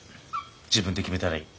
自分で決めたらいい。